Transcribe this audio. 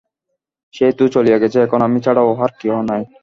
সে তো চলিয়া গেছে, এখন আমি ছাড়া ইহার আর কেহ নাই।